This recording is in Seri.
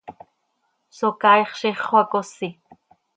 Socaaix ziix xöacosi.